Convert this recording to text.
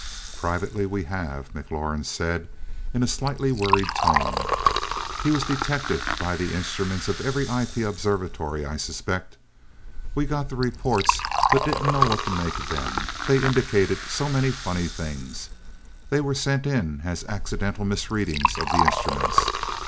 "Privately we have," McLaurin said in a slightly worried tone. "He was detected by the instruments of every IP observatory I suspect. We got the reports but didn't know what to make of them. They indicated so many funny things, they were sent in as accidental misreadings of the instruments.